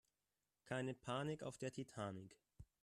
Keine Panik auf der Titanic!